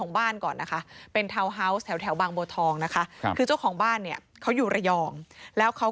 บางทีมันเละ